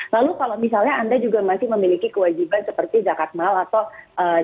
lalu kalau misalnya anda juga masih memiliki kewajiban seperti zakat mal atau zakat